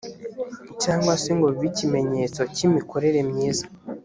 cyangwa se ngo bibe ikimenyetso cy imikorere myiza